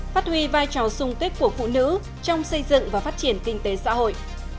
phát huy vai trò sung kích của phụ nữ trong xây dựng và phát triển kinh tế xã hội